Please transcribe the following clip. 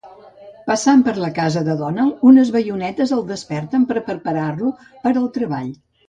Passant per la casa de Donald, unes baionetes el desperten per preparar-lo per al treball.